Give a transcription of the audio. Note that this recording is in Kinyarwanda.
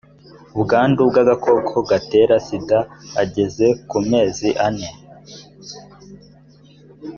ubwandu bw agakoko gatera sida ageze ku mezi ane